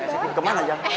hah emang kemana